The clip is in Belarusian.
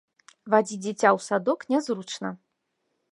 Вадзіць дзіця ў садок нязручна.